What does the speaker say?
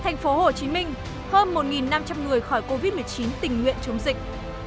thành phố hồ chí minh hơn một năm trăm linh người khỏi covid một mươi chín tình nguyện chống dịch